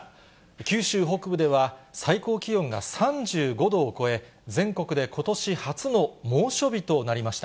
九州北部では、最高気温が３５度を超え、全国でことし初の猛暑日となりました。